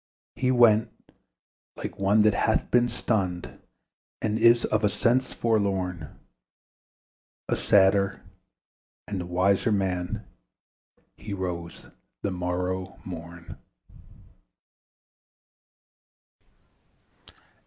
He went like one that hath been stunned, And is of sense forlorn: A sadder and a wiser man, He rose the morrow morn.